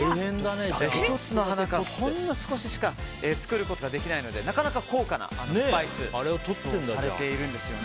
１つの花から、ほんの少ししか作ることができないのでなかなか高価なスパイスとされているんです。